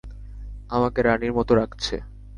আমাকে রানীর মত রাখছে।